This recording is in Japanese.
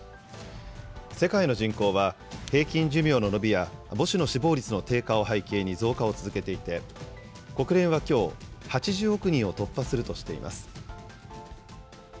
世界の人口は平均寿命の伸びや母子の死亡率の低下を背景に増加を続けていて、国連はきょう、８０億人を突破するとしています。